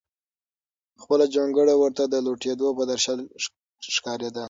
خپله جونګړه ورته د لوټېدو په درشل ښکارېده.